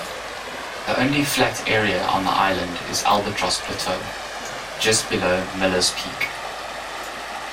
The only flat area on the island is Albatross Plateau, just below Miller's Peak.